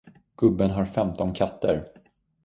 Gubben har femton katter.